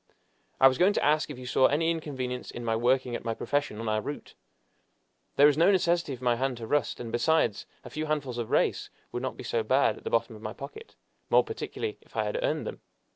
"I was going to ask if you saw any inconvenience in my working at my profession on our route. There is no necessity for my hand to rust; and, besides, a few handfuls of reis would not be so bad at the bottom of my pocket, more particularly if I had earned them.